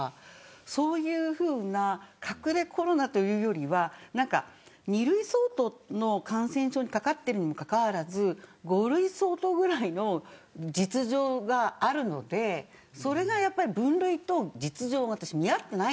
そういうふうな隠れコロナというよりは２類相当の感染症にかかっているにもかかわらず５類相当ぐらいの実情があるのでそれが、やっぱり分類と実情が見合っていない。